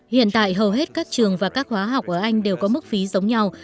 hiện tại hầu hết các trường và các hóa học ở anh đều có mức phí giống nhau